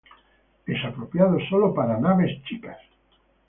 Es apropiado solo para naves chicas.